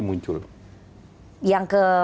muncul yang ke